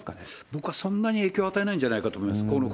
僕はそんなに影響を与えないんじゃないかと思います。